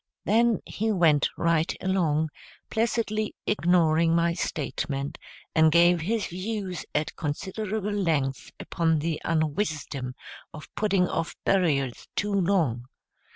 Then he went right along, placidly ignoring my statement, and gave his views at considerable length upon the unwisdom of putting off burials too long.